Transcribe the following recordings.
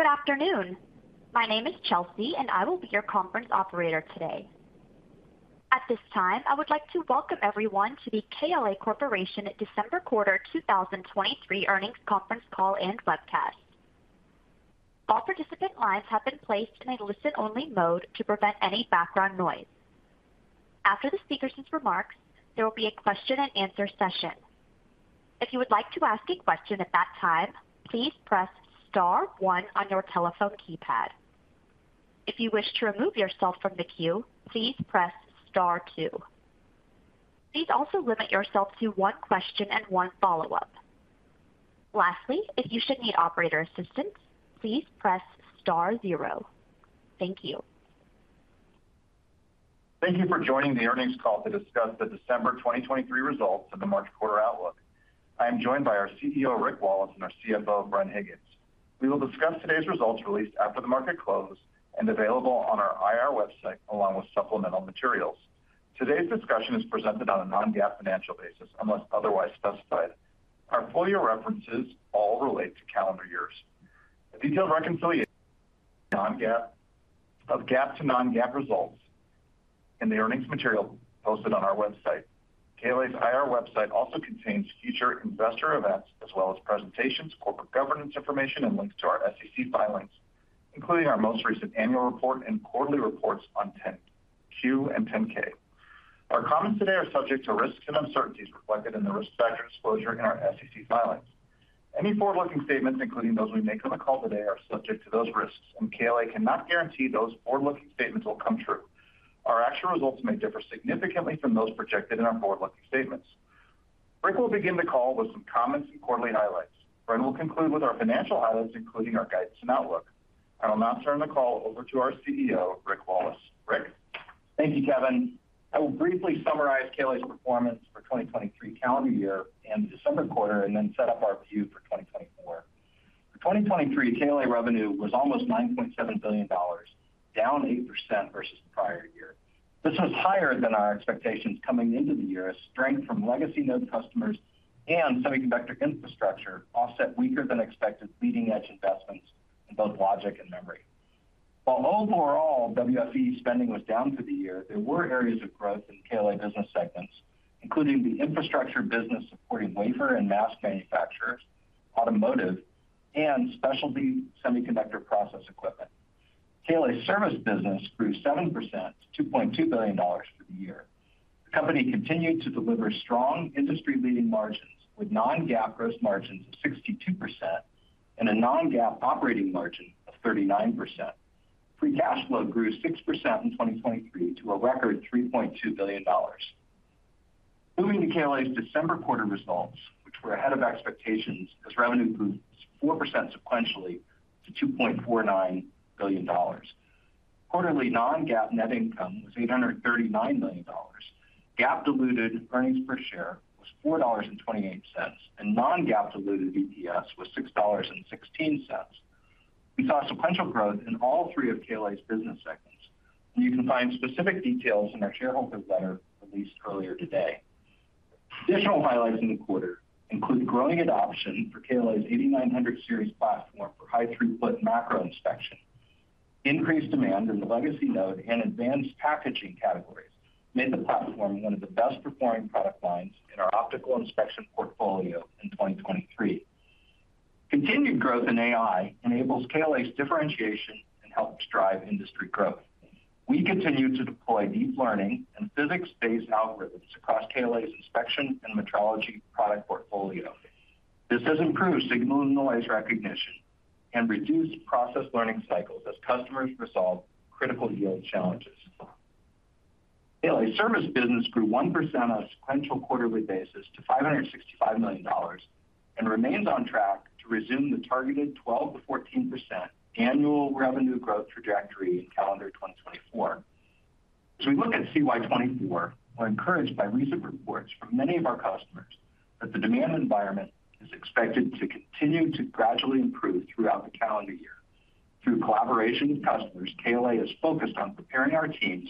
Good afternoon. My name is Chelsea, and I will be your conference operator today. At this time, I would like to welcome everyone to the KLA Corporation December quarter 2023 earnings conference call and webcast. All participant lines have been placed in a listen-only mode to prevent any background noise. After the speakers' remarks, there will be a question and answer session. If you would like to ask a question at that time, please press star one on your telephone keypad. If you wish to remove yourself from the queue, please press star two. Please also limit yourself to one question and one follow-up. Lastly, if you should need operator assistance, please press star zero. Thank you. Thank you for joining the earnings call to discuss the December 2023 results of the March quarter outlook. I am joined by our CEO, Rick Wallace, and our CFO, Bren Higgins. We will discuss today's results, released after the market close and available on our IR website, along with supplemental materials. Today's discussion is presented on a non-GAAP financial basis, unless otherwise specified. Our full-year references all relate to calendar years. A detailed reconciliation of non-GAAP to GAAP results in the earnings material posted on our website. KLA's IR website also contains future investor events as well as presentations, corporate governance information, and links to our SEC filings, including our most recent annual report and quarterly reports on 10-Q and 10-K. Our comments today are subject to risks and uncertainties reflected in the respective disclosure in our SEC filings. Any forward-looking statements, including those we make on the call today, are subject to those risks, and KLA cannot guarantee those forward-looking statements will come true. Our actual results may differ significantly from those projected in our forward-looking statements. Rick will begin the call with some comments and quarterly highlights. Bren will conclude with our financial highlights, including our guidance and outlook. I will now turn the call over to our CEO, Rick Wallace. Rick? Thank you, Kevin. I will briefly summarize KLA's performance for 2023 calendar year and the December quarter, and then set up our view for 2024. For 2023, KLA revenue was almost $9.7 billion, down 8% versus the prior year. This was higher than our expectations coming into the year as strength from legacy node customers and semiconductor infrastructure offset weaker than expected leading-edge investments in both logic and memory. While overall WFE spending was down for the year, there were areas of growth in KLA business segments, including the infrastructure business supporting wafer and mask manufacturers, automotive, and specialty semiconductor process equipment. KLA's service business grew 7% to $2.2 billion for the year. The company continued to deliver strong industry-leading margins, with non-GAAP gross margins of 62% and a non-GAAP operating margin of 39%. Free cash flow grew 6% in 2023 to a record $3.2 billion. Moving to KLA's December quarter results, which were ahead of expectations as revenue grew 4% sequentially to $2.49 billion. Quarterly non-GAAP net income was $839 million. GAAP diluted earnings per share was $4.28, and non-GAAP diluted EPS was $6.16. We saw sequential growth in all three of KLA's business segments. You can find specific details in our shareholder letter released earlier today. Additional highlights in the quarter include growing adoption for KLA's 8900 Series platform for high throughput macro inspection. Increased demand in the legacy node and advanced packaging categories made the platform one of the best-performing product lines in our optical inspection portfolio in 2023. Continued growth in AI enables KLA's differentiation and helps drive industry growth. We continue to deploy deep learning and physics-based algorithms across KLA's inspection and metrology product portfolio. This has improved signal and noise recognition and reduced process learning cycles as customers resolve critical yield challenges. KLA's service business grew 1% on a sequential quarterly basis to $565 million, and remains on track to resume the targeted 12%-14% annual revenue growth trajectory in calendar 2024. As we look at CY 2024, we're encouraged by recent reports from many of our customers that the demand environment is expected to continue to gradually improve throughout the calendar year. Through collaboration with customers, KLA is focused on preparing our teams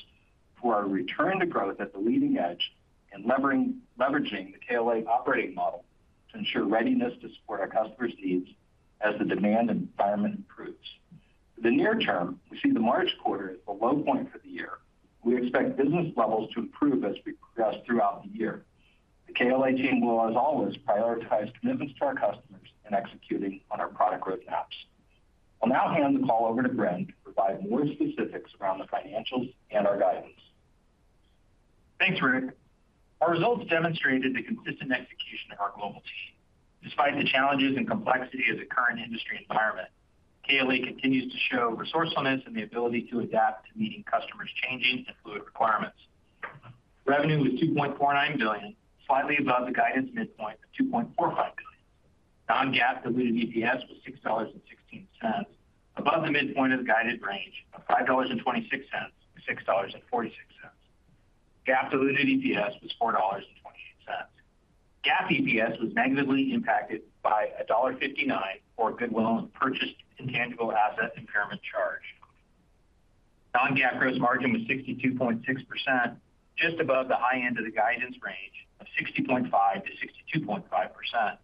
for our return to growth at the leading edge and leveraging the KLA operating model to ensure readiness to support our customers' needs as the demand environment improves. For the near term, we see the March quarter as the low point for the year. We expect business levels to improve as we progress throughout the year. The KLA team will, as always, prioritize commitments to our customers in executing on our product roadmaps. I'll now hand the call over to Bren to provide more specifics around the financials and our guidance. Thanks, Rick. Our results demonstrated the consistent execution of our global team. Despite the challenges and complexity of the current industry environment, KLA continues to show resourcefulness and the ability to adapt to meeting customers' changing and fluid requirements. Revenue was $2.49 billion, slightly above the guidance midpoint of $2.45 billion. Non-GAAP diluted EPS was $6.16, above the midpoint of the guided range of $5.26-$6.46. GAAP diluted EPS was $4.28. GAAP EPS was negatively impacted by $1.59 for goodwill and purchased intangible asset impairment charge. Non-GAAP gross margin was 62.6%, just above the high end of the guidance range of 60.5%-62.5%.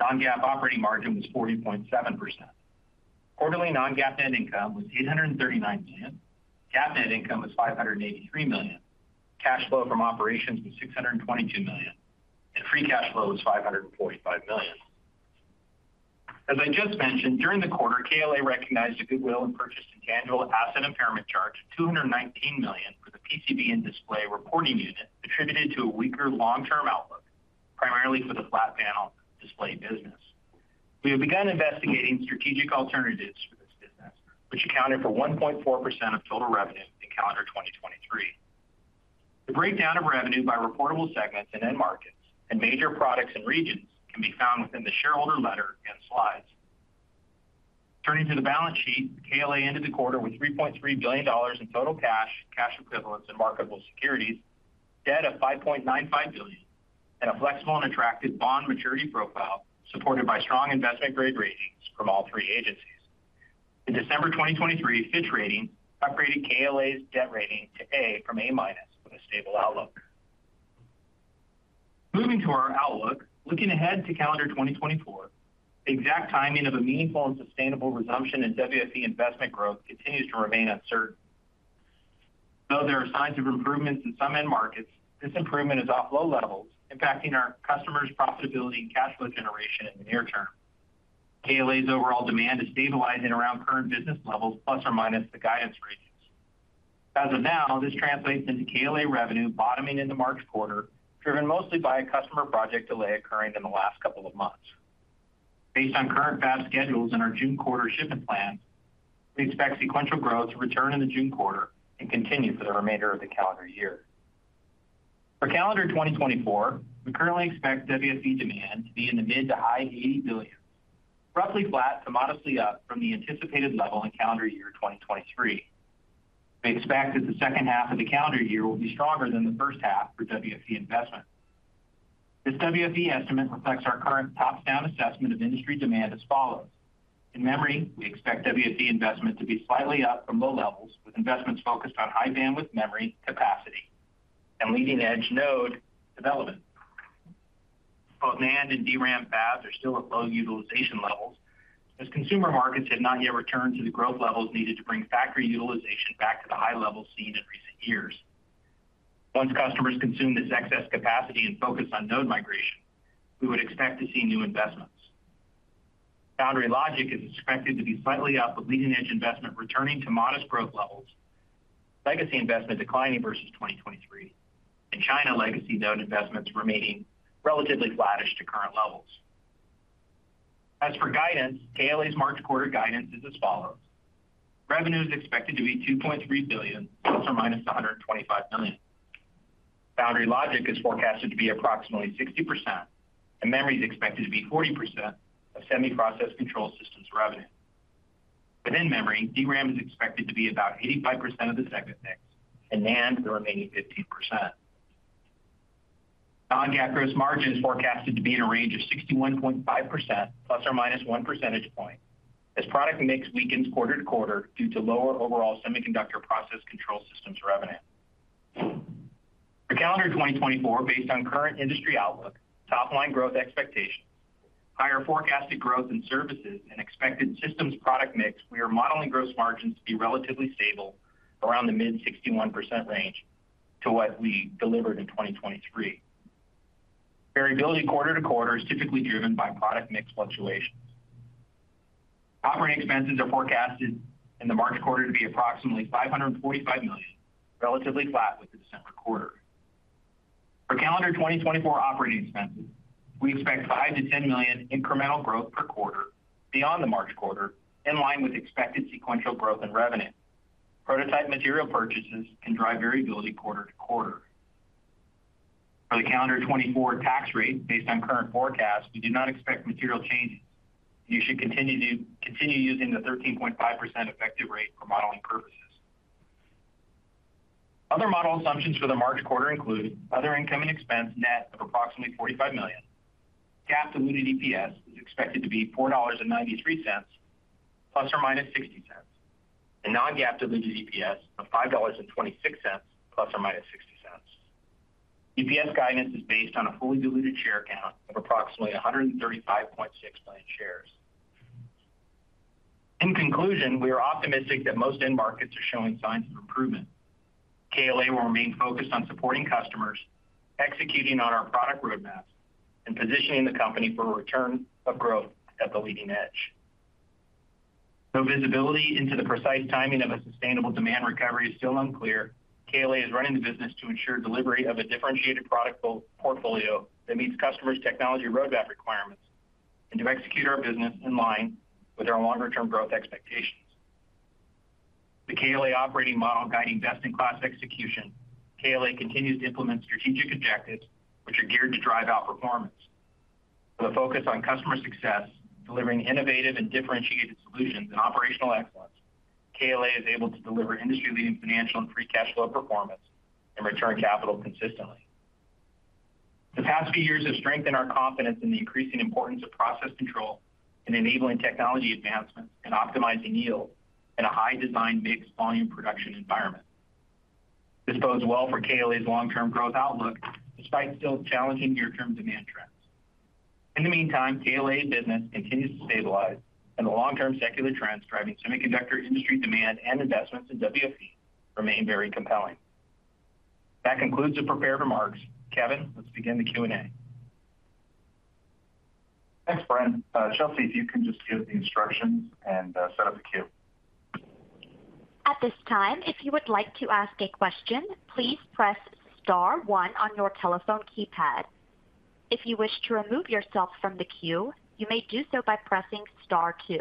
Non-GAAP operating margin was 40.7%. Quarterly non-GAAP net income was $839 million. GAAP net income was $583 million. Cash flow from operations was $622 million, and free cash flow was $545 million. As I just mentioned, during the quarter, KLA recognized a goodwill and purchased intangible asset impairment charge of $219 million for the PCB and Display Reporting unit, attributed to a weaker long-term outlook, primarily for the flat panel display business. We have begun investigating strategic alternatives for this business, which accounted for 1.4% of total revenue in calendar 2023. The breakdown of revenue by reportable segments and end markets, and major products and regions, can be found within the shareholder letter and slides. Turning to the balance sheet, KLA ended the quarter with $3.3 billion in total cash, cash equivalents, and marketable securities, debt of $5.95 billion, and a flexible and attractive bond maturity profile, supported by strong investment grade ratings from all three agencies. In December 2023, Fitch Ratings upgraded KLA's debt rating to A from A-minus with a stable outlook. Moving to our outlook. Looking ahead to calendar 2024, the exact timing of a meaningful and sustainable resumption in WFE investment growth continues to remain uncertain. Though there are signs of improvements in some end markets, this improvement is off low levels, impacting our customers' profitability and cash flow generation in the near term. KLA's overall demand is stabilizing around current business levels, plus or minus the guidance ranges. As of now, this translates into KLA revenue bottoming in the March quarter, driven mostly by a customer project delay occurring in the last couple of months. Based on current fab schedules and our June quarter shipment plans, we expect sequential growth to return in the June quarter and continue for the remainder of the calendar year. For calendar 2024, we currently expect WFE demand to be in the mid- to high $80 billion, roughly flat to modestly up from the anticipated level in calendar year 2023. We expect that the second half of the calendar year will be stronger than the first half for WFE investment. This WFE estimate reflects our current top-down assessment of industry demand as follows: In memory, we expect WFE investment to be slightly up from low levels, with investments focused on High Bandwidth Memory capacity, and leading-edge node development. Both NAND and DRAM fabs are still at low utilization levels, as consumer markets have not yet returned to the growth levels needed to bring factory utilization back to the high levels seen in recent years. Once customers consume this excess capacity and focus on node migration, we would expect to see new investments. Foundry Logic is expected to be slightly up, with leading-edge investment returning to modest growth levels, legacy investment declining versus 2023, and China legacy node investments remaining relatively flattish to current levels. As for guidance, KLA's March quarter guidance is as follows: Revenue is expected to be $2.3 billion ±$125 million. Foundry Logic is forecasted to be approximately 60%, and memory is expected to be 40% of Semi-process control systems revenue. Within memory, DRAM is expected to be about 85% of the segment mix, and NAND, the remaining 15%. Non-GAAP gross margin is forecasted to be in a range of 61.5% ±1 percentage point, as product mix weakens quarter to quarter due to lower overall semiconductor process control systems revenue. For calendar 2024, based on current industry outlook, top-line growth expectations, higher forecasted growth in services and expected systems product mix, we are modeling gross margins to be relatively stable around the mid-61% range to what we delivered in 2023. Variability quarter to quarter is typically driven by product mix fluctuations. Operating expenses are forecasted in the March quarter to be approximately $545 million, relatively flat with the December quarter. For calendar 2024 operating expenses, we expect $5-$10 million incremental growth per quarter beyond the March quarter, in line with expected sequential growth in revenue. Prototype material purchases can drive variability quarter to quarter. For the calendar 2024 tax rate, based on current forecasts, we do not expect material changes. You should continue using the 13.5% effective rate for modeling purposes. Other model assumptions for the March quarter include other income and expense net of approximately $45 million. GAAP diluted EPS is expected to be $4.93 ±$0.60, and non-GAAP diluted EPS of $5.26 ±$0.60. EPS guidance is based on a fully diluted share count of approximately 135.6 million shares. In conclusion, we are optimistic that most end markets are showing signs of improvement. KLA will remain focused on supporting customers, executing on our product roadmap, and positioning the company for a return of growth at the leading edge. Though visibility into the precise timing of a sustainable demand recovery is still unclear, KLA is running the business to ensure delivery of a differentiated product portfolio that meets customers' technology roadmap requirements, and to execute our business in line with our longer-term growth expectations. The KLA operating model guiding best-in-class execution, KLA continues to implement strategic objectives which are geared to drive outperformance. With a focus on customer success, delivering innovative and differentiated solutions and operational excellence, KLA is able to deliver industry-leading financial and free cash flow performance and return capital consistently… The past few years have strengthened our confidence in the increasing importance of process control and enabling technology advancements and optimizing yield in a high design, mixed volume production environment. This bodes well for KLA's long-term growth outlook, despite still challenging near-term demand trends. In the meantime, KLA business continues to stabilize, and the long-term secular trends driving semiconductor industry demand and investments in WFE remain very compelling. That concludes the prepared remarks. Kevin, let's begin the Q&A. Thanks, Bren. Chelsea, if you can just give the instructions and set up the queue. At this time, if you would like to ask a question, please press star one on your telephone keypad. If you wish to remove yourself from the queue, you may do so by pressing star two.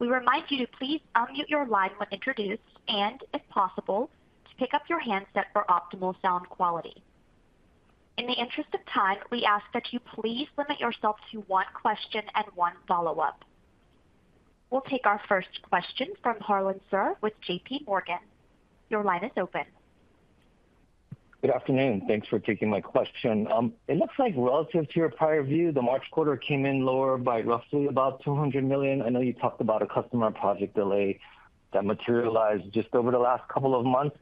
We remind you to please unmute your line when introduced, and if possible, to pick up your handset for optimal sound quality. In the interest of time, we ask that you please limit yourself to one question and one follow-up. We'll take our first question from Harlan Sur with JP Morgan. Your line is open. Good afternoon. Thanks for taking my question. It looks like relative to your prior view, the March quarter came in lower by roughly about $200 million. I know you talked about a customer project delay that materialized just over the last couple of months.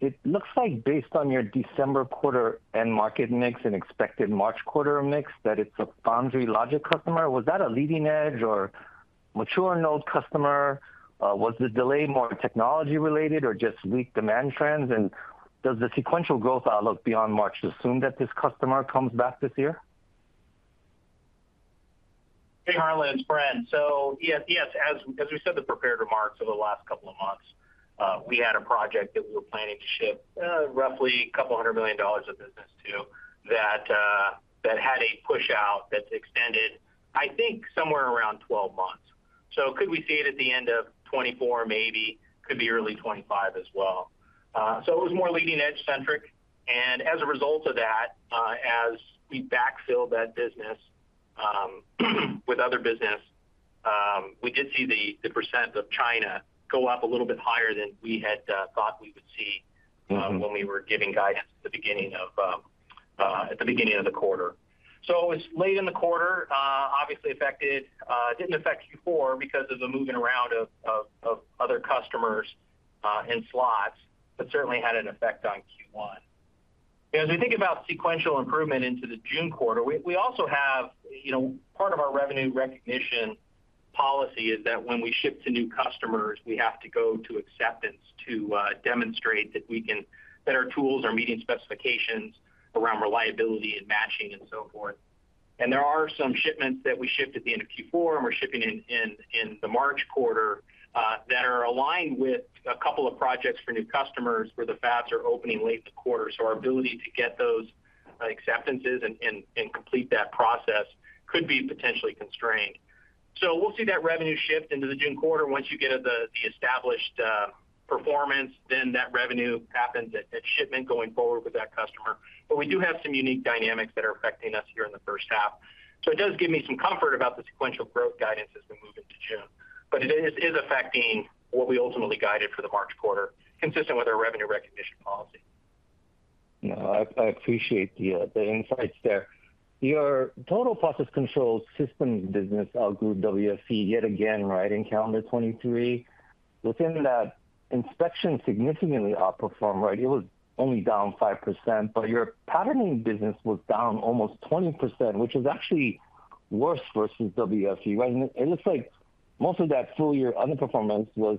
It looks like based on your December quarter end market mix and expected March quarter mix, that it's a Foundry Logic customer. Was that a leading edge or mature node customer? Was the delay more technology related or just weak demand trends? And does the sequential growth outlook beyond March assume that this customer comes back this year? Hey, Harlan, it's Bren. So yes, yes, as, as we said in the prepared remarks over the last couple of months, we had a project that we were planning to ship, roughly $200 million of business to, that, that had a pushout that's extended, I think, somewhere around 12 months. So could we see it at the end of 2024, maybe? Could be early 2025 as well. So it was more leading edge centric. And as a result of that, as we backfill that business, with other business, we did see the, the percent of China go up a little bit higher than we had, thought we would see- Mm-hmm... when we were giving guidance at the beginning of the quarter. So it's late in the quarter, obviously affected, didn't affect Q4 because of the moving around of other customers in slots, but certainly had an effect on Q1. As we think about sequential improvement into the June quarter, we also have, you know, part of our revenue recognition policy is that when we ship to new customers, we have to go to acceptance to demonstrate that our tools are meeting specifications around reliability and matching and so forth. There are some shipments that we shipped at the end of Q4 and we're shipping in the March quarter that are aligned with a couple of projects for new customers, where the fabs are opening late in the quarter. So our ability to get those acceptances and complete that process could be potentially constrained. So we'll see that revenue shift into the June quarter. Once you get the established performance, then that revenue happens at shipment going forward with that customer. But we do have some unique dynamics that are affecting us here in the first half. So it does give me some comfort about the sequential growth guidance as we move into June, but it is affecting what we ultimately guided for the March quarter, consistent with our revenue recognition policy. No, I appreciate the insights there. Your total process control systems business outgrew WFE yet again, right, in calendar 2023. Within that, inspection significantly outperformed, right? It was only down 5%, but your patterning business was down almost 20%, which is actually worse versus WFE, right? And it looks like most of that full year underperformance was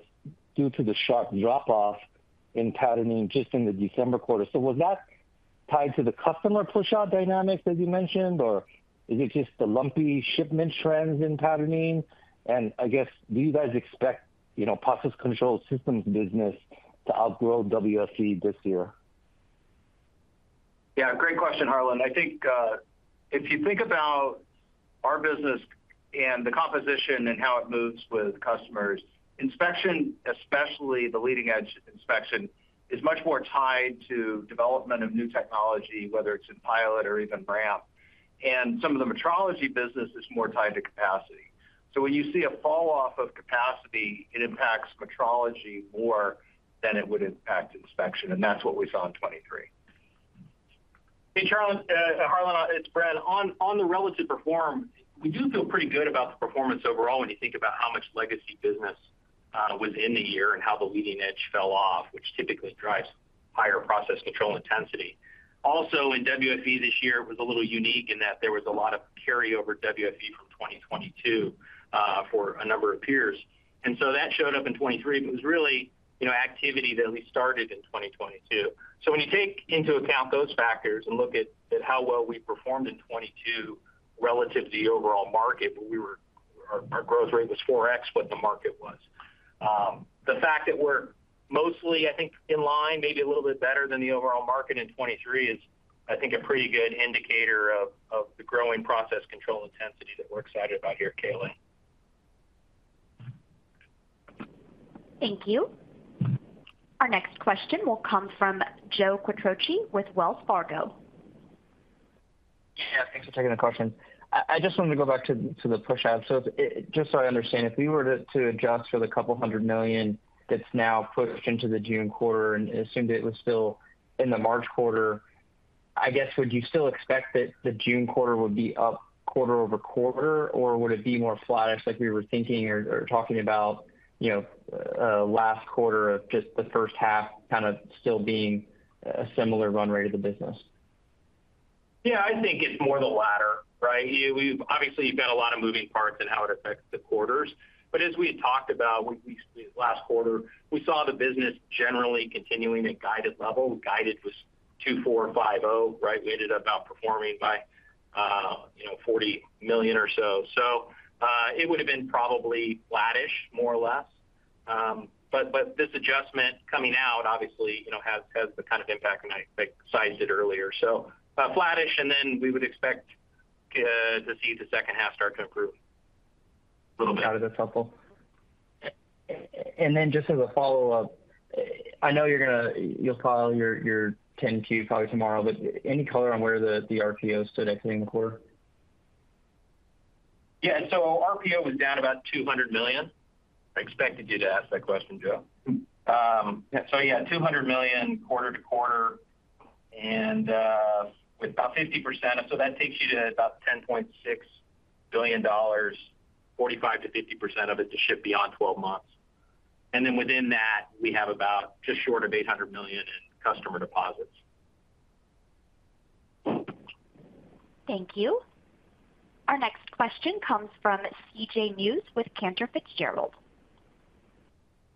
due to the sharp drop-off in patterning just in the December quarter. So was that tied to the customer pushout dynamics, as you mentioned, or is it just the lumpy shipment trends in patterning? And I guess, do you guys expect, you know, process control systems business to outgrow WFE this year? Yeah, great question, Harlan. I think, if you think about our business and the composition and how it moves with customers, inspection, especially the leading-edge inspection, is much more tied to development of new technology, whether it's in pilot or even ramp. And some of the metrology business is more tied to capacity. So when you see a falloff of capacity, it impacts metrology more than it would impact inspection, and that's what we saw in 2023. Hey, Harlan, it's Bren. On the relative performance, we do feel pretty good about the performance overall when you think about how much legacy business was in the year and how the leading edge fell off, which typically drives higher process control intensity. Also, in WFE this year, it was a little unique in that there was a lot of carryover WFE from 2022, for a number of peers, and so that showed up in 2023. It was really, you know, activity that we started in 2022. So when you take into account those factors and look at how well we performed in 2022 relative to the overall market, where we were, our growth rate was 4x what the market was. The fact that we're mostly, I think, in line, maybe a little bit better than the overall market in 2023, is I think a pretty good indicator of the growing process control intensity that we're excited about here at KLA. Thank you. Our next question will come from Joe Quatrochi with Wells Fargo. Yeah, thanks for taking the question. I just wanted to go back to the pushout. So just so I understand, if we were to adjust for the couple hundred million that's now pushed into the June quarter and assumed it was still in the March quarter, I guess, would you still expect that the June quarter would be up quarter-over-quarter? Or would it be more flattish, like we were thinking or talking about, you know, last quarter of just the first half kind of still being a similar run rate of the business? Yeah, I think it's more the latter, right? We've obviously got a lot of moving parts in how it affects the quarters, but as we had talked about when we last quarter, we saw the business generally continuing at guided level. Guided was $245 million, right? We ended up outperforming by, you know, $40 million or so. So, it would have been probably flattish, more or less. But this adjustment coming out obviously, you know, has the kind of impact, and I sized it earlier. So, flattish, and then we would expect to see the second half start to improve a little bit. Got it. That's helpful. And then just as a follow-up, I know you're gonna, you'll file your 10-Q probably tomorrow, but any color on where the RPO stood at the end of the quarter? Yeah. So RPO was down about $200 million. I expected you to ask that question, Joe. So yeah, $200 million quarter-over-quarter and with about 50%, so that takes you to about $10.6 billion, 45%-50% of it to ship beyond 12 months. And then within that, we have about just short of $800 million in customer deposits. Thank you. Our next question comes from C.J. Muse with Cantor Fitzgerald.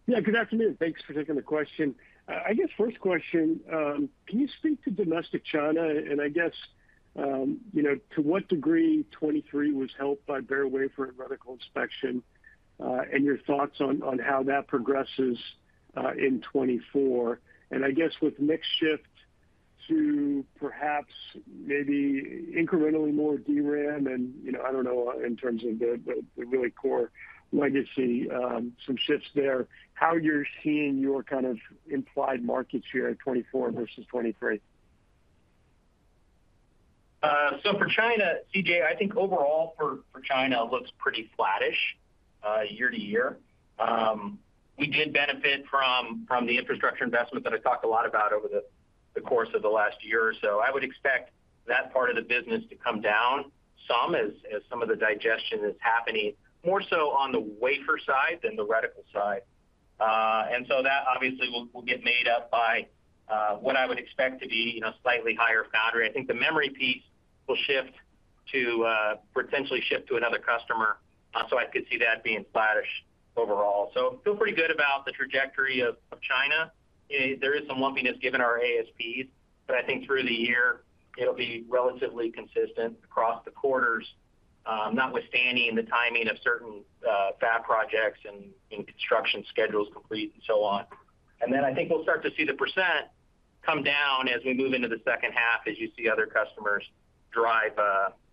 Yeah, good afternoon. Thanks for taking the question. I guess first question, can you speak to domestic China? And I guess, you know, to what degree 2023 was helped by bare wafer and reticle inspection, and your thoughts on how that progresses in 2024. And I guess with mix shift to perhaps maybe incrementally more DRAM and, you know, I don't know, in terms of the really core legacy, some shifts there, how you're seeing your kind of implied market share at 2024 versus 2023. So for China, CJ, I think overall for China looks pretty flattish year-over-year. We did benefit from the infrastructure investment that I talked a lot about over the course of the last year or so. I would expect that part of the business to come down some, as some of the digestion is happening, more so on the wafer side than the reticle side. And so that obviously will get made up by what I would expect to be, you know, slightly higher foundry. I think the memory piece will shift to potentially shift to another customer. So I could see that being flattish overall. So feel pretty good about the trajectory of China. There is some lumpiness, given our ASPs, but I think through the year it'll be relatively consistent across the quarters, notwithstanding the timing of certain fab projects and construction schedules complete and so on. And then I think we'll start to see the percent come down as we move into the second half, as you see other customers drive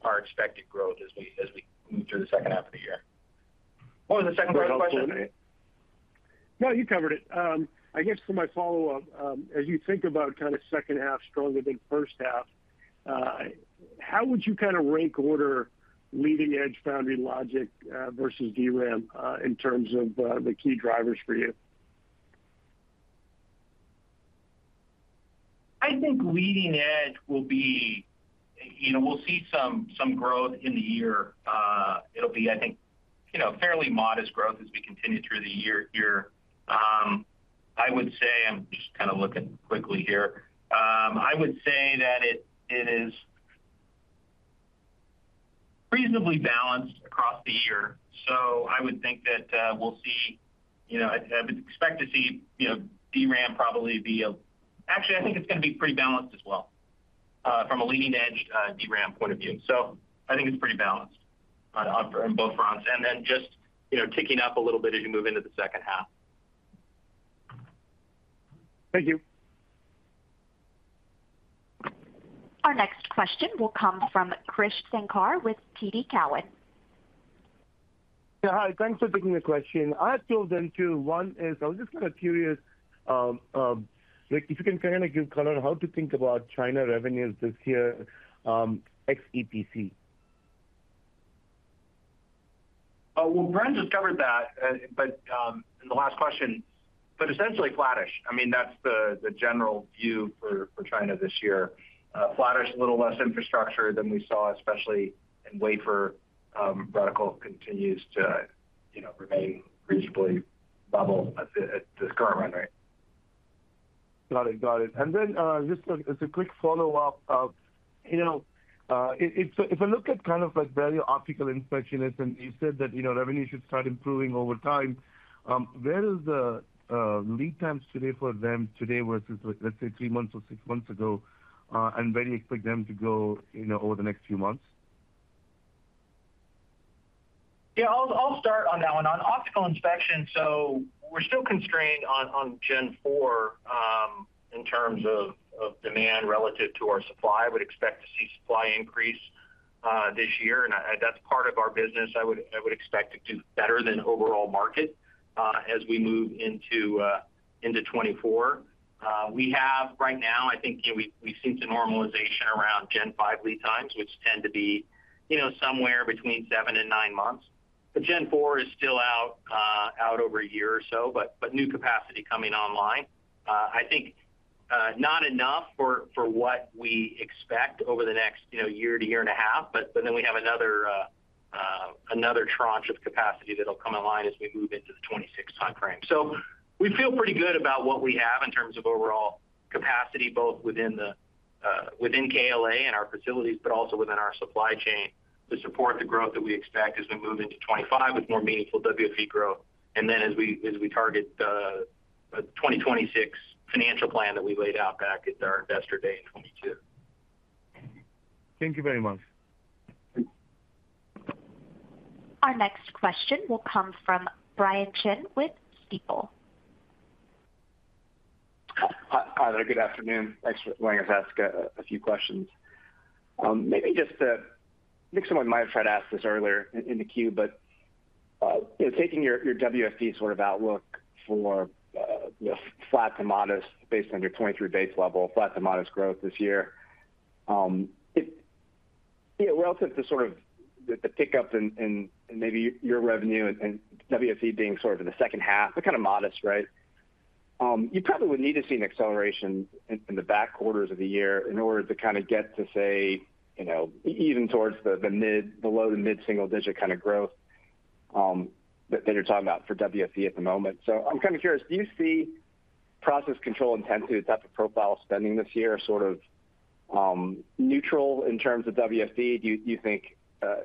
our expected growth as we move through the second half of the year. What was the second part of the question? No, you covered it. I guess for my follow-up, as you think about kind of second half stronger than first half, how would you kind of rank order leading-edge foundry logic versus DRAM in terms of the key drivers for you? I think leading-edge will be, you know, we'll see some growth in the year. It'll be, I think, you know, fairly modest growth as we continue through the year, here. I would say I'm just kind of looking quickly here. I would say that it is reasonably balanced across the year, so I would think that we'll see, you know, I'd, I would expect to see, you know, DRAM probably be a, actually, I think it's going to be pretty balanced as well, from a leading-edge DRAM point of view. So I think it's pretty balanced on both fronts, and then just, you know, ticking up a little bit as you move into the second half. Thank you. Our next question will come from Krish Sankar with TD Cowen. Yeah, hi. Thanks for taking the question. I have two of them. Two, one is I was just kind of curious, like if you can kind of give color on how to think about China revenues this year, ex EPC. Well, Bren just covered that, but in the last question, essentially flattish. I mean, that's the general view for China this year. Flattish, a little less infrastructure than we saw, especially in wafer. CapEx continues to, you know, remain reasonably stable at the current run rate. Got it. Got it. And then, just as a quick follow-up, you know, if, if I look at kind of like Broadband optical inspection, and you said that, you know, revenue should start improving over time, where is the lead times today for them today versus, let's say, three months or six months ago? And where do you expect them to go, you know, over the next few months? Yeah, I'll start on that one. On optical inspection, so we're still constrained on Gen 4 in terms of demand relative to our supply. I would expect to see supply increase this year, and that's part of our business I would expect to do better than overall market as we move into 2024. We have right now, I think, you know, we've seen some normalization around Gen 5 lead times, which tend to be, you know, somewhere between seven and 9 months. But Gen 4 is still out over a year or so, but new capacity coming online. I think not enough for what we expect over the next, you know, year to year and a half. But, but then we have another, another tranche of capacity that'll come online as we move into the 2026 time frame. So we feel pretty good about what we have in terms of overall capacity, both within the, within KLA and our facilities, but also within our supply chain, to support the growth that we expect as we move into 2025 with more meaningful WFE growth. And then as we, as we target the, the 2026 financial plan that we laid out back at our Investor Day in 2022. Thank you very much. Our next question will come from Brian Chin with Stifel. Hi there. Good afternoon. Thanks for letting us ask a few questions. Maybe just to—I think someone might have tried to ask this earlier in the queue, but you know, taking your WFE sort of outlook for you know, flat to modest, based on your 2023 base level, flat to modest growth this year. It you know, relative to sort of the pickup in maybe your revenue and WFE being sort of in the second half, but kind of modest, right? You probably would need to see an acceleration in the back quarters of the year in order to kind of get to say, you know, even towards the mid, the low- to mid-single-digit kind of growth that you're talking about for WFE at the moment. I'm kind of curious, do you see process control intensity type of profile spending this year, sort of, neutral in terms of WFE? Do you think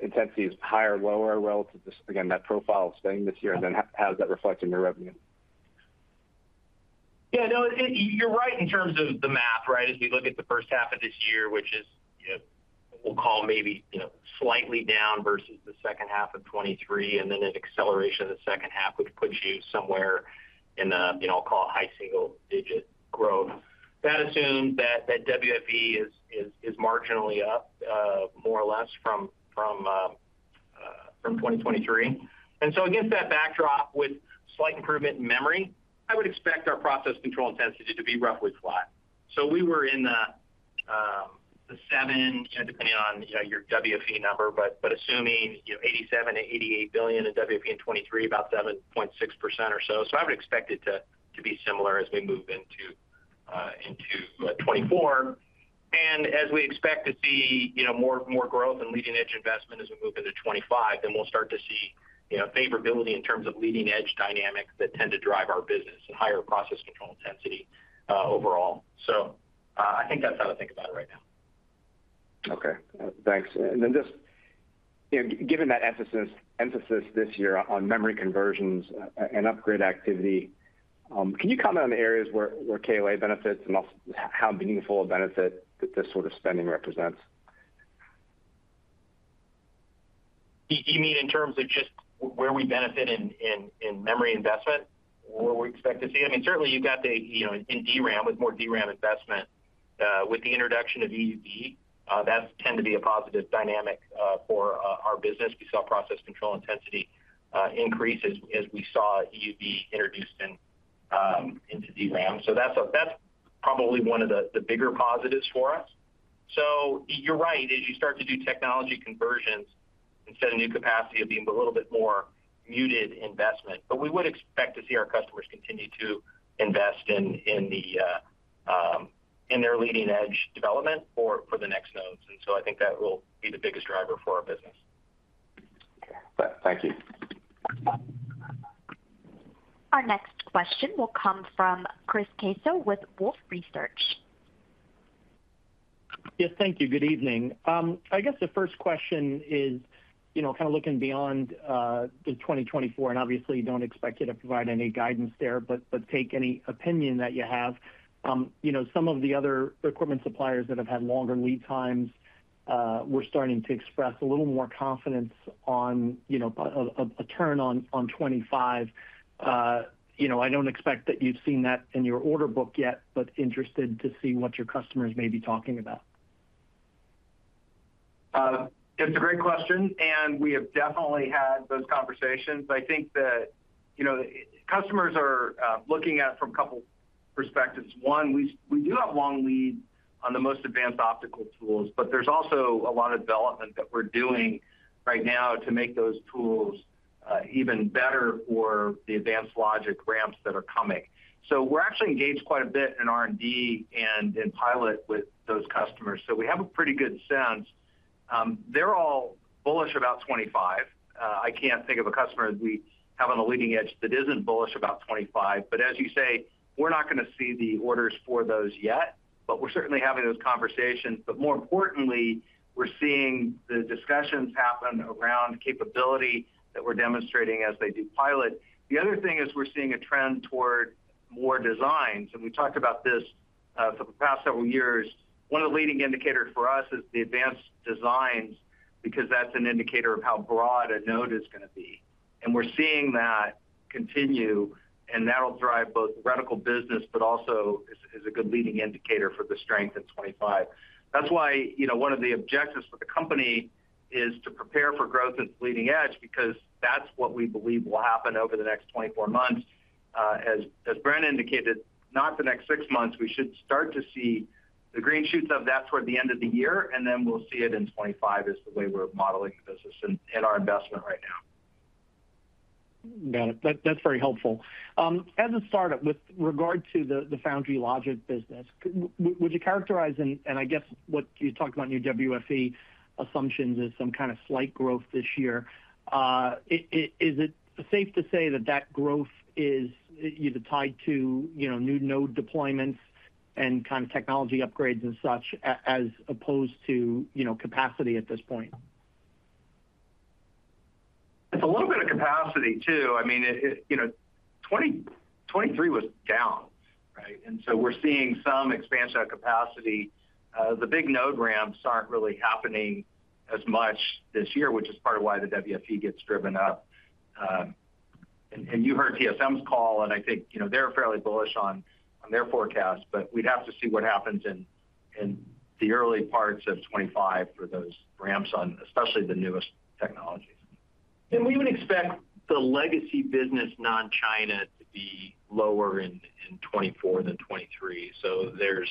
intensity is higher or lower relative to, again, that profile of spending this year, and then how does that reflect in your revenue? Yeah, no, you're right in terms of the math, right? As we look at the first half of this year, which is, you know, we'll call maybe, you know, slightly down versus the second half of 2023, and then an acceleration in the second half, which puts you somewhere in the, you know, I'll call it, high single digit growth. That assumes that WFE is marginally up, more or less from 2023. And so against that backdrop, with slight improvement in memory, I would expect our process control intensity to be roughly flat. So we were in the seven, you know, depending on, you know, your WFE number, but assuming $87 billion-$88 billion in WFE in 2023, about 7.6% or so. So I would expect it to be similar as we move into 2024. And as we expect to see, you know, more growth in leading-edge investment as we move into 2025, then we'll start to see, you know, favorability in terms of leading-edge dynamics that tend to drive our business and higher process control intensity overall. So, I think that's how to think about it right now. Okay, thanks. And then just, you know, given that emphasis this year on memory conversions, and upgrade activity, can you comment on the areas where KLA benefits and also how meaningful a benefit that this sort of spending represents? You mean in terms of just where we benefit in memory investment, or where we expect to see it? I mean, certainly you've got the, you know, in DRAM, with more DRAM investment, with the introduction of EUV, that's tend to be a positive dynamic, for our business. We saw Process Control intensity increase as we saw EUV introduced into DRAM. So that's probably one of the bigger positives for us. So you're right, as you start to do technology conversions, instead of new capacity, it'll be a little bit more muted investment. But we would expect to see our customers continue to invest in their leading-edge development for the next nodes, and so I think that will be the biggest driver for our business. Okay. Thank you. Our next question will come from Chris Caso with Wolfe Research. Yes, thank you. Good evening. I guess the first question is, you know, kind of looking beyond to 2024, and obviously don't expect you to provide any guidance there, but, but take any opinion that you have. You know, some of the other equipment suppliers that have had longer lead times were starting to express a little more confidence on, you know, a turn on 2025. You know, I don't expect that you've seen that in your order book yet, but interested to see what your customers may be talking about. It's a great question, and we have definitely had those conversations. I think that, you know, customers are looking at it from a couple perspectives. One, we do have long leads on the most advanced optical tools, but there's also a lot of development that we're doing right now to make those tools even better for the advanced logic ramps that are coming. So we're actually engaged quite a bit in R&D and in pilot with those customers. So we have a pretty good sense. They're all bullish about 25. I can't think of a customer we have on the leading edge that isn't bullish about 25. But as you say, we're not going to see the orders for those yet, but we're certainly having those conversations. But more importantly, we're seeing the discussions happen around capability that we're demonstrating as they do pilot. The other thing is we're seeing a trend toward more designs, and we talked about this for the past several years. One of the leading indicators for us is the advanced designs, because that's an indicator of how broad a node is going to be. We're seeing that continue, and that'll drive both reticle business, but also as a good leading indicator for the strength in 25. That's why, you know, one of the objectives for the company is to prepare for growth in leading edge, because that's what we believe will happen over the next 24 months. As Bren indicated, not the next six months, we should start to see the green shoots of that toward the end of the year, and then we'll see it in 25, is the way we're modeling the business and our investment right now. Got it. That's very helpful. As a follow-up, with regard to the foundry logic business, would you characterize, and I guess what you talked about in your WFE assumptions as some kind of slight growth this year? Is it safe to say that growth is either tied to, you know, new node deployments and kind of technology upgrades and such, as opposed to, you know, capacity at this point? It's a little bit of capacity, too. I mean, it, it, you know, 2023 was down, right? And so we're seeing some expansion of capacity. The big node ramps aren't really happening as much this year, which is part of why the WFE gets driven up. And you heard TSM's call, and I think, you know, they're fairly bullish on their forecast, but we'd have to see what happens in the early parts of 2025 for those ramps on especially the newest technologies. And we would expect the legacy business, non-China, to be lower in 2024 than 2023. So there's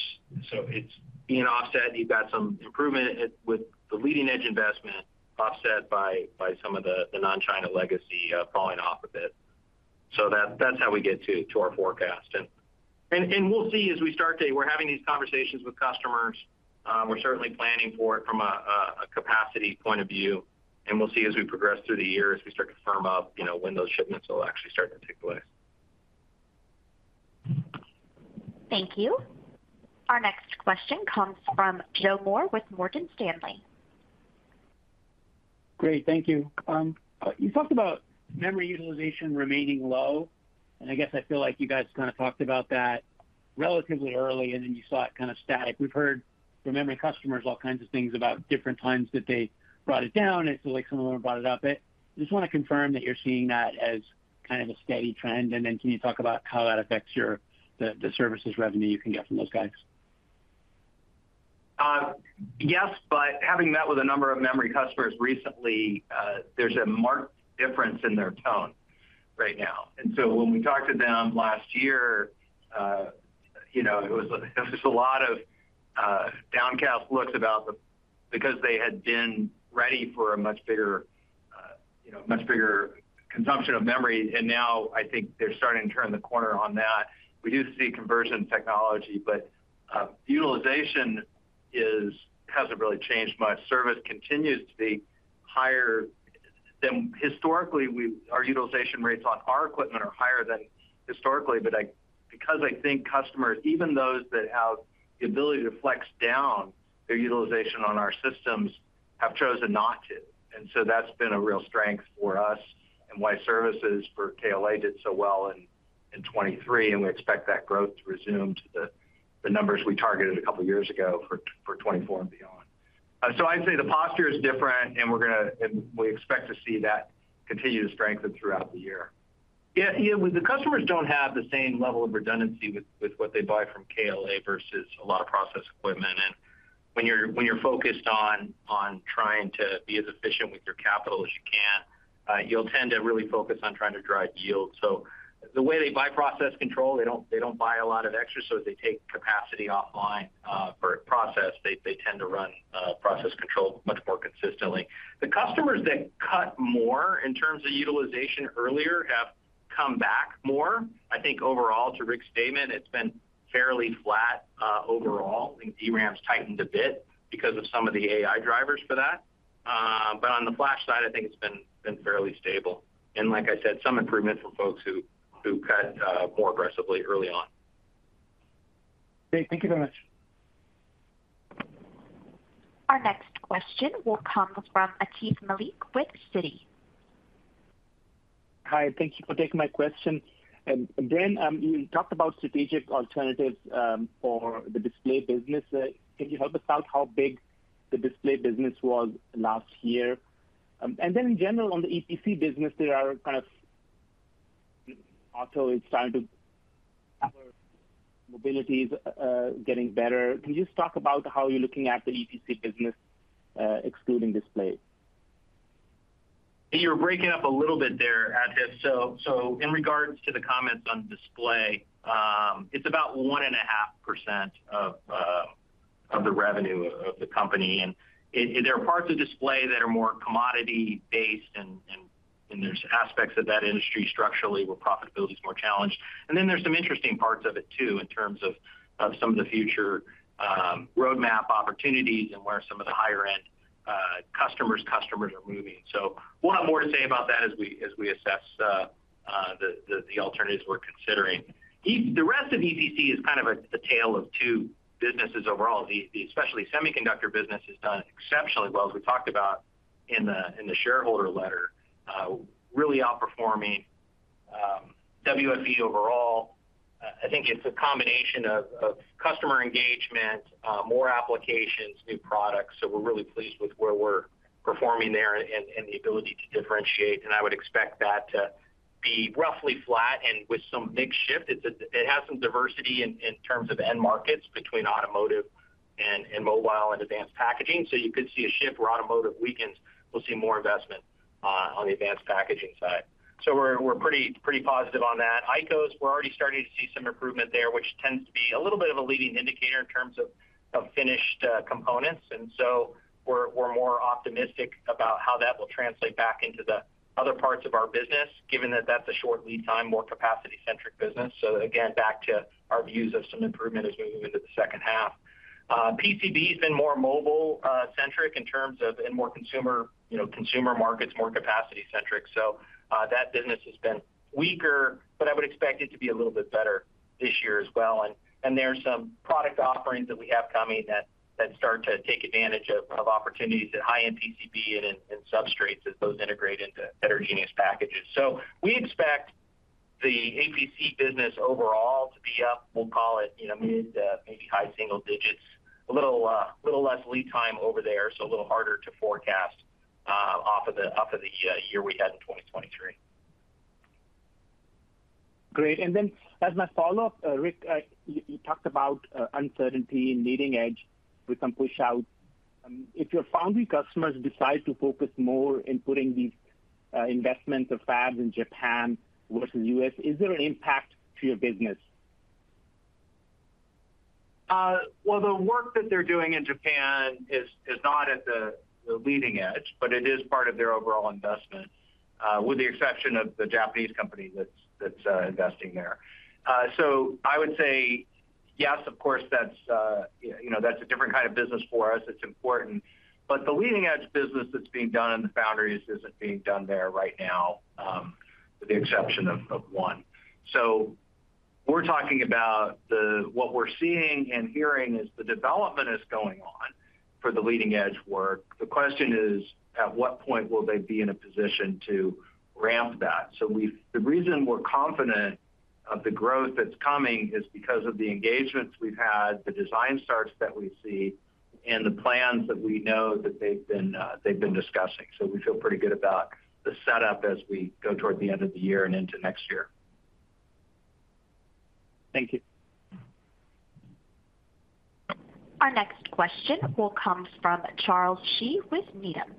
so it's being offset. You've got some improvement with the leading edge investment, offset by some of the non-China legacy falling off a bit. So that's how we get to our forecast. We'll see as we start to, we're having these conversations with customers. We're certainly planning for it from a capacity point of view, and we'll see as we progress through the year, as we start to firm up, you know, when those shipments will actually start to take place. Thank you. Our next question comes from Joe Moore with Morgan Stanley. Great. Thank you. You talked about memory utilization remaining low, and I guess I feel like you guys kind of talked about that relatively early, and then you saw it kind of static. We've heard from memory customers, all kinds of things about different times that they brought it down, and it looked like someone brought it up. But I just want to confirm that you're seeing that as kind of a steady trend, and then can you talk about how that affects your services revenue you can get from those guys? Yes, but having met with a number of memory customers recently, there's a marked difference in their tone right now. And so when we talked to them last year, you know, it was a lot of downcast looks about the—because they had been ready for a much bigger, you know, much bigger consumption of memory, and now I think they're starting to turn the corner on that. We do see conversion technology, but utilization hasn't really changed much. Service continues to be higher than historically. Our utilization rates on our equipment are higher than historically, but because I think customers, even those that have the ability to flex down their utilization on our systems, have chosen not to. And so that's been a real strength for us and why services for KLA did so well in 2023, and we expect that growth to resume to the numbers we targeted a couple of years ago for 2024 and beyond. So I'd say the posture is different, and we're going to, and we expect to see that continue to strengthen throughout the year. Yeah, yeah, the customers don't have the same level of redundancy with what they buy from KLA versus a lot of process equipment. And when you're focused on trying to be as efficient with your capital as you can, you'll tend to really focus on trying to drive yield. So the way they buy process control, they don't buy a lot of extra, so they take capacity offline for a process. They, they tend to run, process control much more consistently. The customers that cut more in terms of utilization earlier, have come back more. I think overall, to Rick's statement, it's been fairly flat, overall. I think DRAM has tightened a bit because of some of the AI drivers for that. But on the flash side, I think it's been, been fairly stable. And like I said, some improvement from folks who, who cut, more aggressively early on. Great. Thank you very much. Our next question will come from Atif Malik with Citi. Hi, thank you for taking my question. And Bren, you talked about strategic alternatives for the display business. Can you help us out how big the display business was last year? And then in general, on the EPC business, mobility is getting better. Can you just talk about how you're looking at the EPC business excluding display? You're breaking up a little bit there, Atif. So, in regards to the comments on display, it's about 1.5% of the revenue of the company, and it. There are parts of display that are more commodity-based, and there's aspects of that industry structurally, where profitability is more challenged. And then there's some interesting parts of it, too, in terms of some of the future roadmap opportunities and where some of the higher-end customers are moving. So we'll have more to say about that as we assess the alternatives we're considering. The rest of EPC is kind of a tale of two businesses overall. The especially semiconductor business has done exceptionally well. As we talked about in the shareholder letter, really outperforming... WFE overall, I think it's a combination of customer engagement, more applications, new products. So we're really pleased with where we're performing there and the ability to differentiate, and I would expect that to be roughly flat and with some mix shift. It has some diversity in terms of end markets between automotive and mobile and Advanced Packaging. So you could see a shift where automotive weakens, we'll see more investment on the Advanced Packaging side. So we're pretty positive on that. ICOS, we're already starting to see some improvement there, which tends to be a little bit of a leading indicator in terms of finished components. And so we're more optimistic about how that will translate back into the other parts of our business, given that that's a short lead time, more capacity-centric business. So again, back to our views of some improvement as we move into the second half. PCB has been more mobile centric in terms of, and more consumer, you know, consumer markets, more capacity centric. So, that business has been weaker, but I would expect it to be a little bit better this year as well. And there are some product offerings that we have coming that start to take advantage of opportunities in high-end PCB and in substrates as those integrate into heterogeneous packages. So we expect the APC business overall to be up. We'll call it, you know, mid, maybe high single digits. A little less lead time over there, so a little harder to forecast, off of the year we had in 2023. Great. Then as my follow-up, Rick, you talked about uncertainty in leading edge with some pushout. If your foundry customers decide to focus more in putting these investments of fabs in Japan versus U.S., is there an impact to your business? Well, the work that they're doing in Japan is not at the leading edge, but it is part of their overall investment, with the exception of the Japanese company that's investing there. So I would say yes, of course, you know, that's a different kind of business for us. It's important. But the leading edge business that's being done in the foundries isn't being done there right now, with the exception of one. So we're talking about what we're seeing and hearing is the development is going on for the leading edge work. The question is, at what point will they be in a position to ramp that? The reason we're confident of the growth that's coming is because of the engagements we've had, the design starts that we see, and the plans that we know that they've been, they've been discussing. So we feel pretty good about the setup as we go toward the end of the year and into next year. Thank you. Our next question will come from Charles Shi with Needham.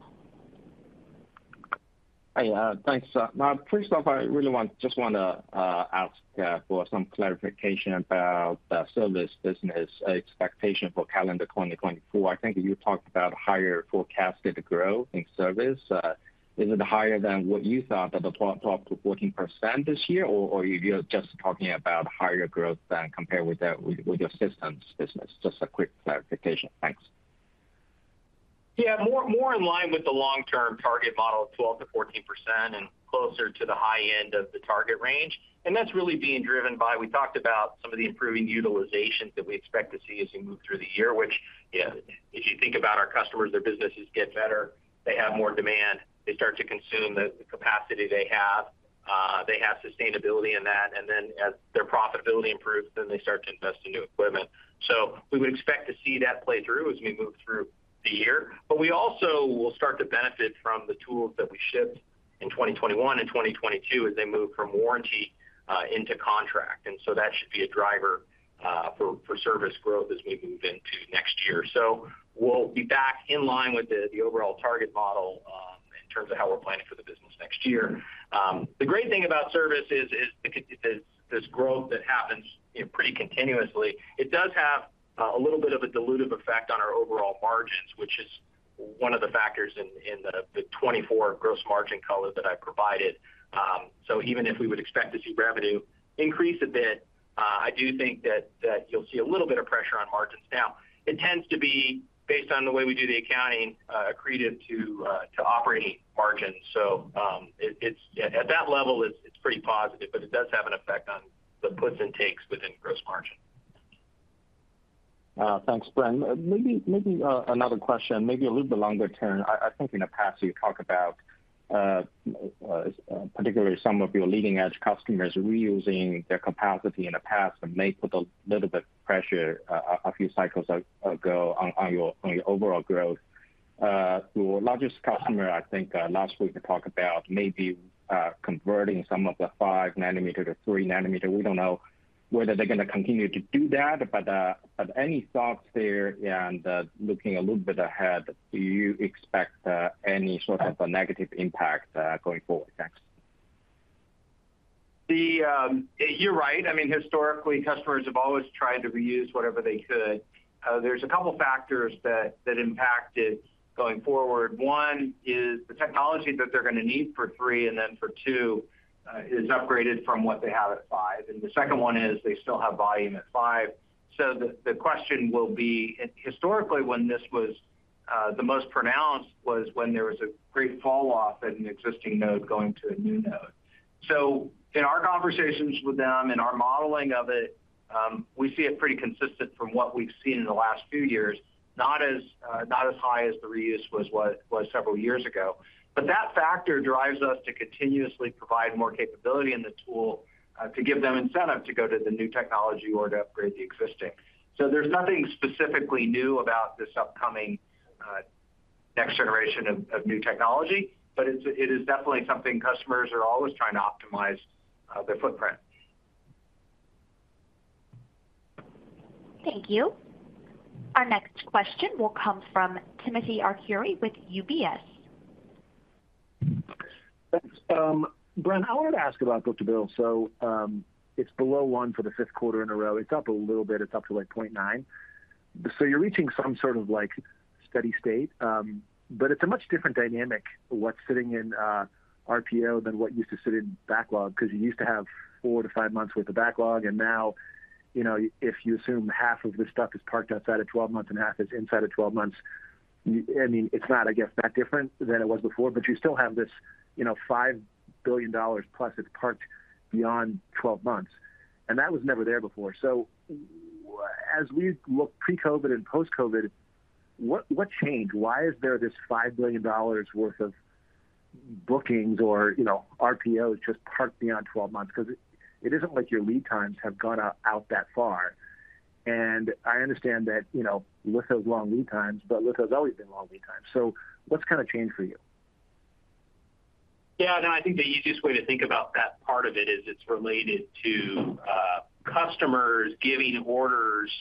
Hi, thanks. Now, first off, I really want—just wanna ask for some clarification about the service business expectation for calendar 2024. I think you talked about higher forecasted growth in service. Is it higher than what you thought, at the 12%-14% this year, or you're just talking about higher growth than compared with your systems business? Just a quick clarification. Thanks. Yeah, more, more in line with the long-term target model of 12%-14% and closer to the high end of the target range. And that's really being driven by, we talked about some of the improving utilizations that we expect to see as we move through the year, which, if you think about our customers, their businesses get better, they have more demand, they start to consume the capacity they have. They have sustainability in that, and then as their profitability improves, then they start to invest in new equipment. So we would expect to see that play through as we move through the year. But we also will start to benefit from the tools that we shipped in 2021 and 2022, as they move from warranty into contract. That should be a driver for service growth as we move into next year. We'll be back in line with the overall target model in terms of how we're planning for the business next year. The great thing about service is this growth that happens, you know, pretty continuously. It does have a little bit of a dilutive effect on our overall margins, which is one of the factors in the 2024 gross margin color that I provided. So even if we would expect to see revenue increase a bit, I do think that you'll see a little bit of pressure on margins. Now, it tends to be based on the way we do the accounting, accretive to operating margins. So, it's at that level, it's pretty positive, but it does have an effect on the puts and takes within gross margin. Thanks, Bren. Maybe another question, maybe a little bit longer term. I think in the past, you talked about particularly some of your leading-edge customers reusing their capacity in the past and may put a little bit of pressure a few cycles ago on your overall growth. Your largest customer, I think, last week talked about maybe converting some of the 5 nm to 3 nm. We don't know whether they're going to continue to do that, but have any thoughts there? And looking a little bit ahead, do you expect any sort of a negative impact going forward? Thanks. You're right. I mean, historically, customers have always tried to reuse whatever they could. There's a couple factors that impact it going forward. One is the technology that they're going to need for three and then for two is upgraded from what they have at five. And the second one is they still have volume at five. So the question will be, and historically, when this was the most pronounced, was when there was a great falloff in an existing node going to a new node. So in our conversations with them and our modeling of it. We see it pretty consistent from what we've seen in the last few years. Not as, not as high as the reuse was what it was several years ago. But that factor drives us to continuously provide more capability in the tool to give them incentive to go to the new technology or to upgrade the existing. So there's nothing specifically new about this upcoming next generation of new technology, but it is definitely something customers are always trying to optimize their footprint. Thank you. Our next question will come from Timothy Arcuri with UBS. Thanks. Bren, I wanted to ask about book-to-bill. So, it's below 1 for the fifth quarter in a row. It's up a little bit. It's up to, like, 0.9. So you're reaching some sort of, like, steady state. But it's a much different dynamic, what's sitting in RPO than what used to sit in backlog, because you used to have 4-5 months worth of backlog, and now, you know, if you assume half of this stuff is parked outside of 12 months and half is inside of 12 months, you, I mean, it's not, I guess, that different than it was before, but you still have this, you know, $5 billion plus it's parked beyond 12 months, and that was never there before. So as we look pre-COVID and post-COVID, what changed? Why is there this $5 billion worth of bookings or, you know, RPO just parked beyond 12 months? Because it, it isn't like your lead times have gone out, out that far. And I understand that, you know, litho's long lead times, but litho's always been long lead times. So what's kind of changed for you? Yeah, no, I think the easiest way to think about that part of it is it's related to customers giving orders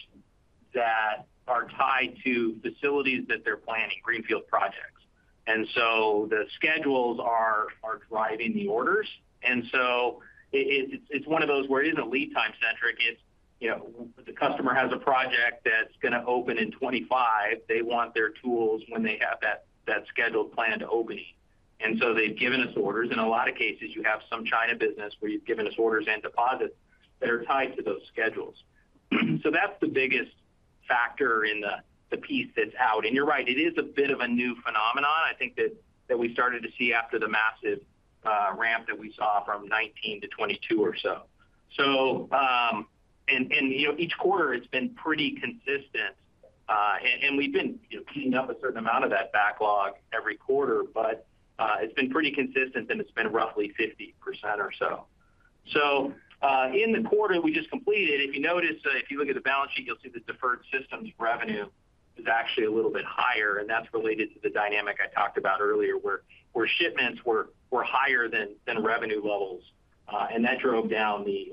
that are tied to facilities that they're planning, greenfield projects. And so the schedules are driving the orders, and so it's one of those where it isn't lead time centric, it's, you know, the customer has a project that's going to open in 25. They want their tools when they have that scheduled planned opening. And so they've given us orders. In a lot of cases, you have some China business where you've given us orders and deposits that are tied to those schedules. So that's the biggest factor in the piece that's out. And you're right, it is a bit of a new phenomenon, I think that we started to see after the massive ramp that we saw from 2019 to 2022 or so. So, and you know, each quarter it's been pretty consistent, and we've been, you know, cleaning up a certain amount of that backlog every quarter, but it's been pretty consistent, and it's been roughly 50% or so. So, in the quarter we just completed, if you notice, if you look at the balance sheet, you'll see the deferred systems revenue is actually a little bit higher, and that's related to the dynamic I talked about earlier, where shipments were higher than revenue levels. And that drove down the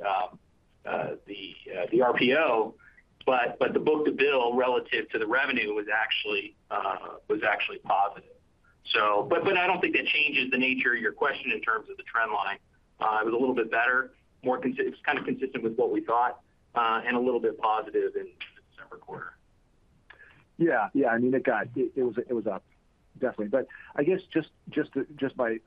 RPO. But the book-to-bill relative to the revenue was actually positive. So, I don't think that changes the nature of your question in terms of the trend line. It was a little bit better, more consistent, it's kind of consistent with what we thought, and a little bit positive in the December quarter. Yeah. Yeah. I mean, it was up, definitely. But I guess just to my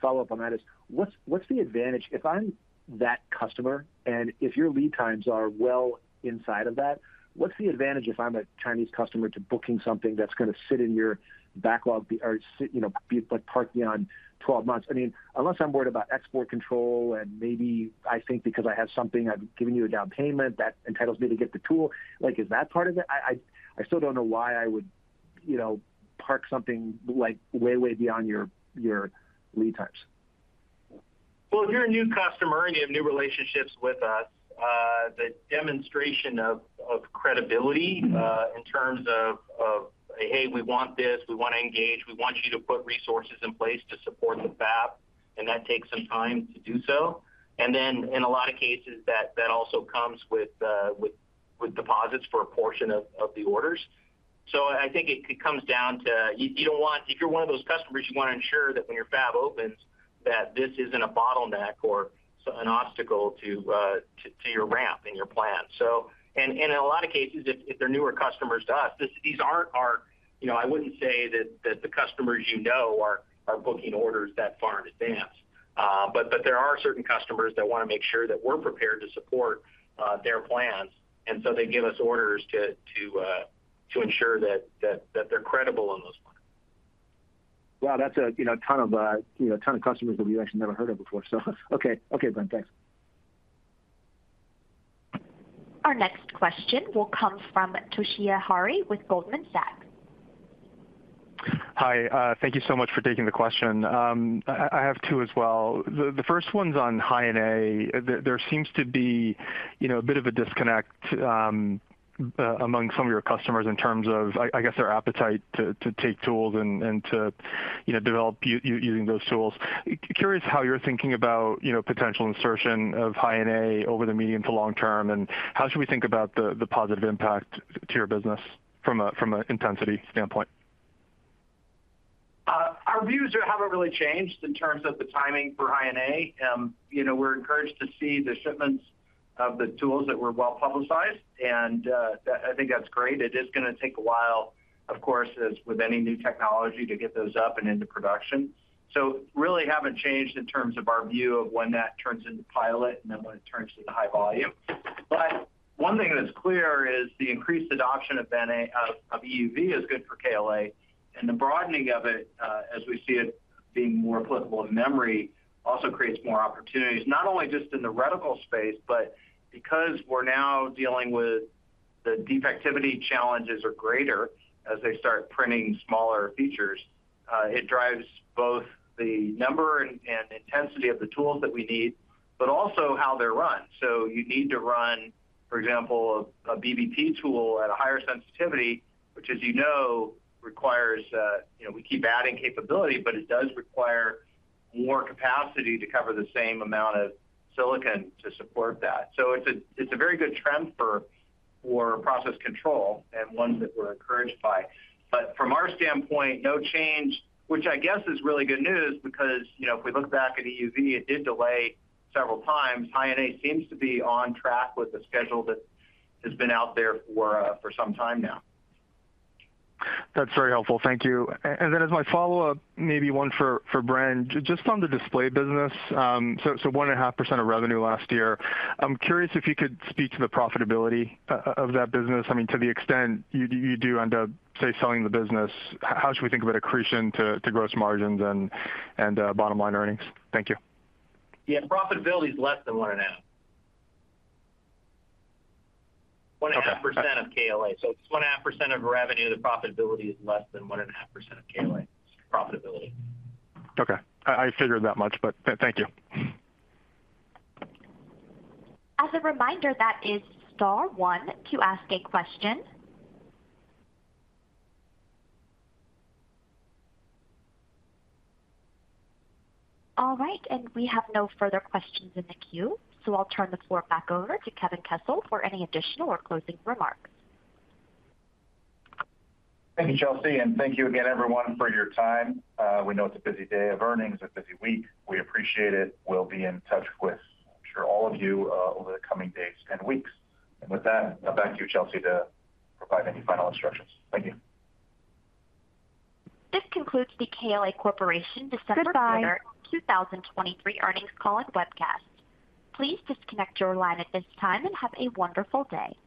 follow-up on that is, what's the advantage? If I'm that customer, and if your lead times are well inside of that, what's the advantage, if I'm a Chinese customer, to booking something that's going to sit in your backlog or sit, you know, be, like, parked beyond 12 months? I mean, unless I'm worried about export control, and maybe I think because I have something, I've given you a down payment that entitles me to get the tool. Like, is that part of it? I still don't know why I would, you know, park something, like, way beyond your lead times. Well, if you're a new customer and you have new relationships with us, the demonstration of credibility in terms of, "Hey, we want this, we want to engage, we want you to put resources in place to support the fab," and that takes some time to do so. And then in a lot of cases, that also comes with deposits for a portion of the orders. So I think it comes down to, you don't want. If you're one of those customers, you want to ensure that when your fab opens, that this isn't a bottleneck or an obstacle to your ramp and your plan. So, in a lot of cases, if they're newer customers to us, these aren't our— You know, I wouldn't say that the customers you know are booking orders that far in advance. But there are certain customers that want to make sure that we're prepared to support their plans, and so they give us orders to ensure that they're credible on those plans. Wow, that's a, you know, ton of, you know, a ton of customers that we actually never heard of before. So okay. Okay, Bren. Thanks. Our next question will come from Toshiya Hari with Goldman Sachs. Hi, thank you so much for taking the question. I have two as well. The first one's on High NA. There seems to be, you know, a bit of a disconnect among some of your customers in terms of, I guess, their appetite to take tools and to, you know, develop using those tools. Curious how you're thinking about, you know, potential insertion of High NA over the medium to long term, and how should we think about the positive impact to your business from an intensity standpoint? Our views haven't really changed in terms of the timing for High NA. You know, we're encouraged to see the shipments of the tools that were well-publicized, and that I think that's great. It is going to take a while, of course, as with any new technology, to get those up and into production. So really haven't changed in terms of our view of when that turns into pilot and then when it turns into high volume. But one thing that's clear is the increased adoption of NA, of, of EUV is good for KLA, and the broadening of it, as we see it being more applicable in memory also creates more opportunities, not only just in the reticle space, but because we're now dealing with the defectivity challenges are greater as they start printing smaller features. It drives both the number and intensity of the tools that we need, but also how they're run. So you need to run, for example, a BBP tool at a higher sensitivity, which, as you know, requires, you know, we keep adding capability, but it does require more capacity to cover the same amount of silicon to support that. So it's a very good trend for process control and ones that we're encouraged by. But from our standpoint, no change, which I guess is really good news because, you know, if we look back at EUV, it did delay several times. High NA seems to be on track with the schedule that has been out there for some time now. That's very helpful. Thank you. And then as my follow-up, maybe one for Bren. Just on the display business, so one and a half percent of revenue last year. I'm curious if you could speak to the profitability of that business. I mean, to the extent you do end up, say, selling the business, how should we think about accretion to gross margins and bottom line earnings? Thank you. Yeah, profitability is less than 1.5. Okay. 1.5% of KLA. So it's 1.5% of revenue. The profitability is less than 1.5% of KLA profitability. Okay, I figured that much, but thank you. As a reminder, that is star one to ask a question. All right, we have no further questions in the queue, so I'll turn the floor back over to Kevin Kessel for any additional or closing remarks. Thank you, Chelsea, and thank you again everyone for your time. We know it's a busy day of earnings, a busy week. We appreciate it. We'll be in touch with, I'm sure, all of you, over the coming days and weeks. With that, back to you, Chelsea, to provide any final instructions. Thank you. This concludes the KLA Corporation December- Goodbye ...quarter, 2023 earnings call and webcast. Please disconnect your line at this time and have a wonderful day.